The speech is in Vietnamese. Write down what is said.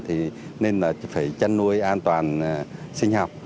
thì nên là phải chăn nuôi an toàn sinh học